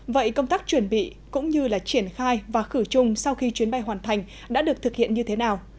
vậy công tác chuẩn bị cũng như là triển khai và khử chung sau khi chuyến bay hoàn thành đã được thực hiện như thế nào